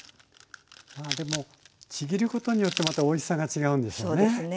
でもちぎることによってまたおいしさが違うんでしょうね。